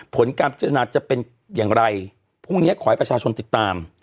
ผลการพิจารณาจะเป็นอย่างไรพรุ่งนี้ขอให้ประชาชนติดตาม